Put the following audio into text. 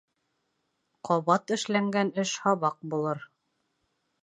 Ҡабат эшләнгән эш һабаҡ булыр.